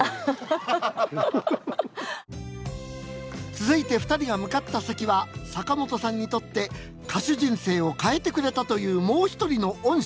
続いて２人が向かった先は坂本さんにとって歌手人生を変えてくれたというもう一人の恩師あの方です。